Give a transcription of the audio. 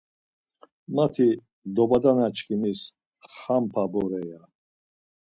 Mati dobadona çkimis xampa bore ya.